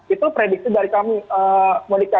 itu prediksi dari kami monika